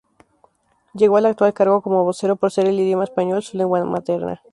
Llegó al actual cargo como vocero por ser el idioma español su lengua materna.